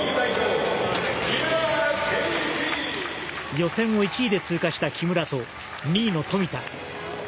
予選を１位で通過した木村と２位の富田。